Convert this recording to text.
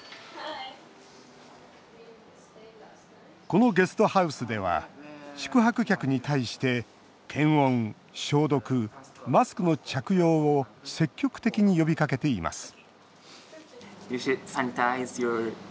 このゲストハウスでは宿泊客に対して検温、消毒、マスクの着用を積極的に呼びかけています